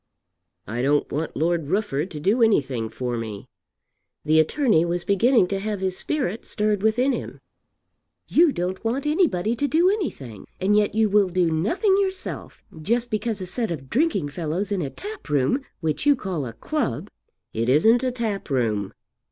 "I don't want Lord Rufford to do anything for me." The attorney was beginning to have his spirit stirred within him. "You don't want anybody to do anything, and yet you will do nothing yourself, just because a set of drinking fellows in a tap room, which you call a club " "It isn't a tap room."